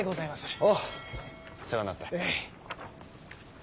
あぁ世話になった。